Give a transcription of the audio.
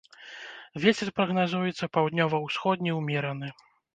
Вецер прагназуецца паўднёва-ўсходні ўмераны.